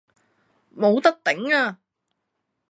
冇得頂呀!